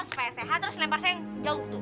supaya sehat terus lempar saya yang jauh tuh